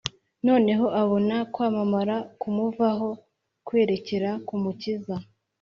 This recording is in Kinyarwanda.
Noneho abona kwa kwamamara kumuvaho kwerekera ku Mukiza.